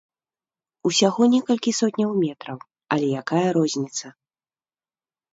Усяго некалькі сотняў метраў, але якая розніца.